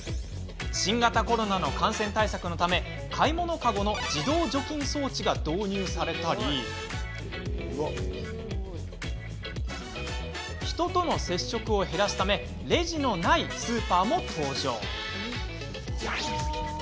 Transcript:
新型コロナの感染対策のため買い物カゴの自動除菌装置が導入されたり人との接触を減らすためレジのないスーパーも登場。